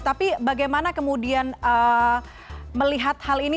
tapi bagaimana kemudian melihat hal ini